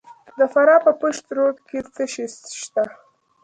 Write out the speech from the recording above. د فراه په پشت رود کې څه شی شته؟